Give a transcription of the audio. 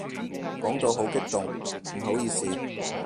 講到好激動，唔好意思